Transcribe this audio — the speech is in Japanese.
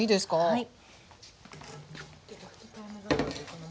はい。